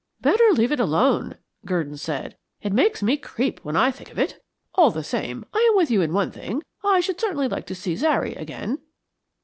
"Better leave it alone," Gurdon said. "It makes me creep when I think of it. All the same, I am with you in one thing. I should certainly like to see Zary again."